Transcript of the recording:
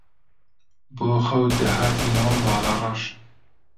بۆ خەو دەهاتینەوە ماڵەڕەش